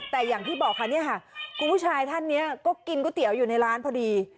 แต่อย่างที่บอกค่ะเนี่ยค่ะคุณผู้ชายท่านนี้ก็กินก๋วยเตี๋ยวอยู่ในร้านพอดี